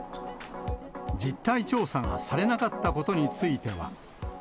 実態調査がされなかったことについては。